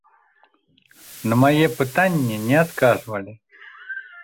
На мае пытанні не адказвалі.